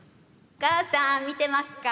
お母さん見てますか？